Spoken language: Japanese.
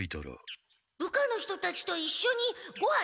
部下の人たちといっしょにごはん食べてますか？